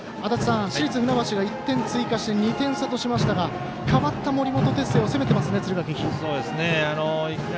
市立船橋が１点追加して２点差としましたが代わった森本哲星を攻めてますね敦賀気比。